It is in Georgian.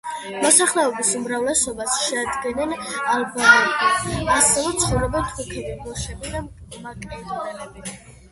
მოსახლეობის უმრავლესობას შეადგენენ ალბანელები, ასევე ცხოვრობენ თურქები, ბოშები და მაკედონელები.